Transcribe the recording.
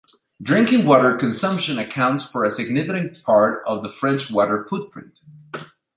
Drinking water consumption accounts for a significant part of the French water footprint.